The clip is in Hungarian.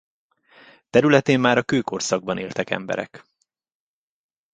Területén már a kőkorszakban éltek emberek.